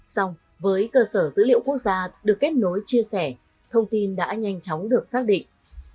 xong với cơ sở dữ liệu quốc gia được kết nối chia sẻ thông tin đã nhanh chóng được xác định